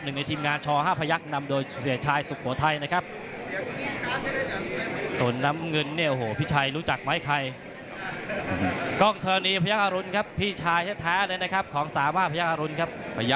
ในทีมงานช๕พยักษ์นำโดยเสียชายสุโขทัยนะครับ